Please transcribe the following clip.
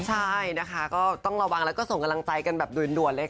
ใช่นะคะก็ต้องระวังแล้วก็ส่งกำลังใจกันแบบด่วนเลยค่ะ